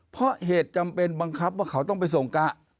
เพราะเหตุจำเป็นบังคับว่าเขาต้องไปส่งกะ